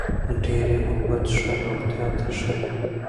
ډېرې اوبه څښل روغتیا ته ښه دي.